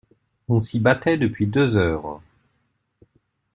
On s'y battait depuis deux heures.